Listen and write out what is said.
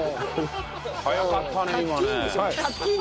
速かったね今ね。